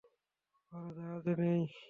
ওরা জাহাজে নেই।